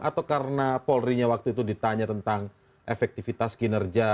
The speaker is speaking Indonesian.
atau karena polri nya waktu itu ditanya tentang efektivitas kinerja